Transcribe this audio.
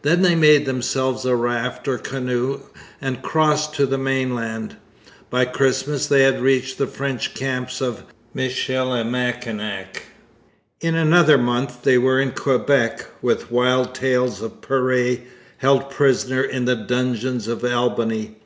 Then they made themselves a raft or canoe and crossed to the mainland. By Christmas they had reached the French camps of Michilimackinac. In another month they were in Quebec with wild tales of Péré, held prisoner in the dungeons of Albany.